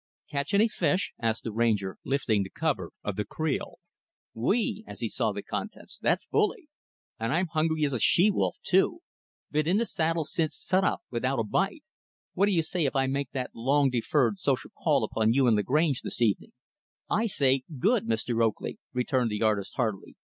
"Catch any fish?" asked the Ranger lifting the cover of the creel. "Whee!" as he saw the contents. "That's bully! And I'm hungry as a she wolf too! Been in the saddle since sunup without a bite. What do you say if I make that long deferred social call upon you and Lagrange this evening?" "I say, good! Mr. Oakley," returned the artist, heartily.